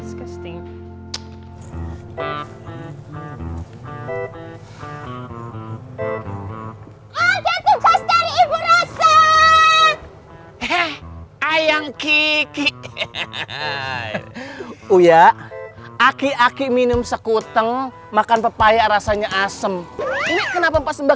eh ayang kiki uya aki aki minum sekuteng makan papaya rasanya asem kenapa pas mbak